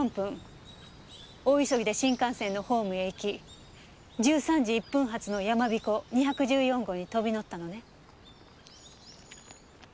大急ぎで新幹線のホームへ行き１３時１分発のやまびこ２１４号に飛び乗ったのね？